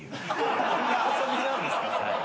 どんな遊びなんですかそれ。